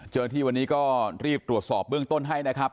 เจ้าหน้าที่วันนี้ก็รีบตรวจสอบเบื้องต้นให้นะครับ